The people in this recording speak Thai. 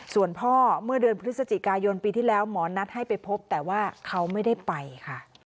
ส่วนพ่อเมื่อเดือนพฤศจิกายนปีที่แล้วหมอนัดให้ไปพบแต่ว่าเขาไม่ได้ไปค่ะ